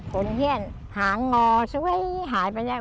คนเฮียนหางอสวยหายไปแล้ว